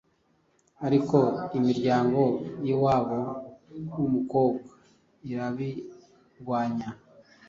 ariko imiryango y’iwabo w’umukobwa irabirwanya.